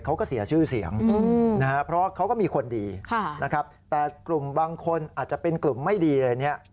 เขาก็เสียชื่อเสียงนะครับเพราะเขาก็มีคนดีนะครับแต่กลุ่มบางคนอาจจะเป็นกลุ่มไม่ดีเลยเนี่ย